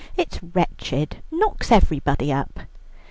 "It's wretched, knocks everybody up."